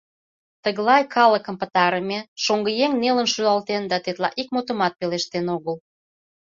— Тыглай калыкым пытарыме, — шоҥгыеҥ нелын шӱлалтен да тетла ик мутымат пелештен огыл.